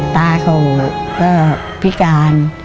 ตาเขาก็พิการ